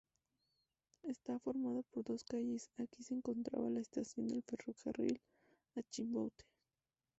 Está formada por dos calles, aquí se encontraba la estación del ferrocarril a Chimbote.